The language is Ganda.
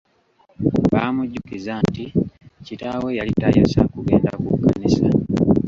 Baamujjukiza nti kitaawe yali tayosa kugenda ku kkanisa.